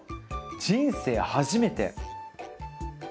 人生初めて。